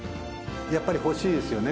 やっぱり欲しいですよね